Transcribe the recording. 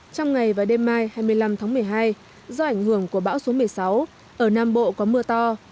trong ngày và đêm mai hai mươi năm tháng một mươi hai do ảnh hưởng của bão số một mươi sáu ở nam bộ có mưa to